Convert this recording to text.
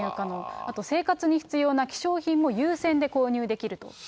あと、生活に必要な希少品も、優先で購入できると。